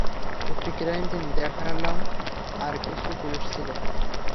একটি crime scene দেখলাম আর কিছু পুলিশ ছিলো।